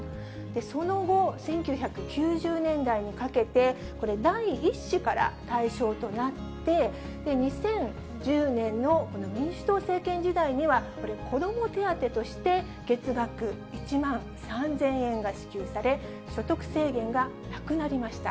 その後、１９９０年代にかけて、これ、第１子から対象となって、２０１０年のこの民主党政権時代には、これ、子ども手当として月額１万３０００円が支給され、所得制限がなくなりました。